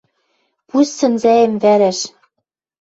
Пусть сӹнзӓэм вӓрӓш